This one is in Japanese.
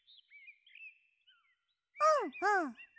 うんうん。